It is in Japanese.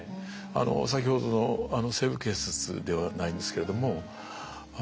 先ほどの「西部警察」ではないんですけれども